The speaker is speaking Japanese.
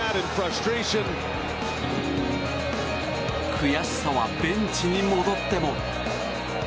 悔しさはベンチに戻っても。